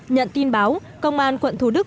nhận tin báo công an quận thủ đức